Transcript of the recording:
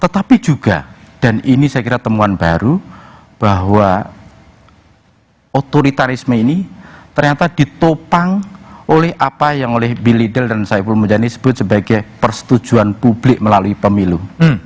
tetapi juga dan ini saya kira temuan baru bahwa otoritarisme ini ternyata ditopang oleh apa yang oleh bil idle dan saiful mujani sebut sebagai persetujuan publik melalui pemilu